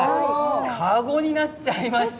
籠になっちゃいました。